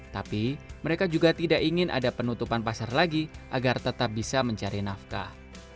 tapi mereka juga tidak ingin ada penutupan pasar lagi agar tetap bisa mencari nafkah